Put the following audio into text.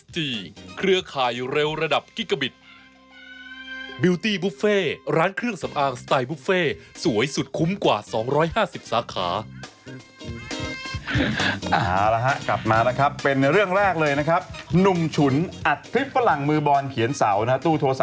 แต่ปรากฏว่านางแพ้ไงเราก็เลยไม่รู้